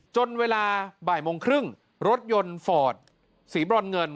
จนเวลาบ่ายโมงครึ่งรถยนต์ฟอร์ดสีบรอนเงิน